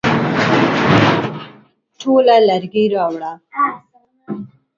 ټوله لرګي راوړه ؟